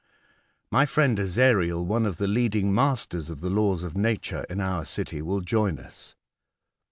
My friend Ezariel, one of the leading masters of the laws of nature in our city, will join us."